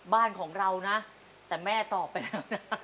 บ้านของเรานะแต่แม่ตอบไปแล้ว